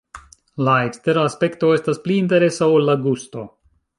La ekstera aspekto estas pli interesa ol la gusto.